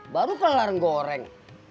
baru kelar goreng